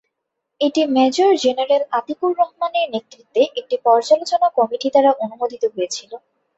এটি major general Atiqur রহমানের নেতৃত্বে একটি পর্যালোচনা কমিটি দ্বারা অনুমোদিত হয়েছিল।